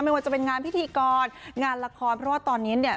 ไม่ว่าจะเป็นงานพิธีกรงานละครเพราะว่าตอนนี้เนี่ย